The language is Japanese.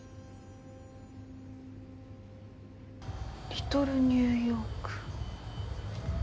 リトルニューヨーク。